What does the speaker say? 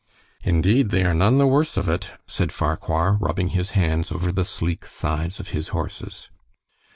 "Indeed, they are none the worse of it," said Farquhar, rubbing his hands over the sleek sides of his horses.